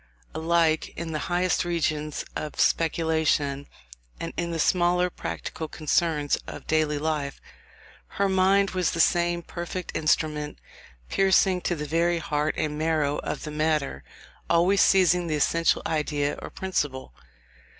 Alike in the highest regions of speculation and in the smaller practical concerns of daily life, her mind was the same perfect instrument, piercing to the very heart and marrow of the matter; always seizing the essential idea or principle.